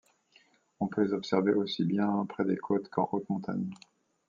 On peut les observer aussi bien près des côtes qu'en haute montagne.